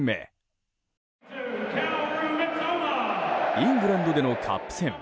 イングランドでのカップ戦。